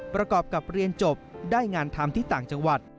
ประกอบกับเรียนจบได้งานทำที่ต่างจังหวัด